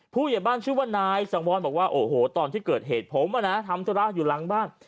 ผู้ใหญ่บ้านชื่อว่านายสังวรบอกว่าโอ้โหตอนที่เกิดเหตุผมทำธุระอยู่หลังบ้าน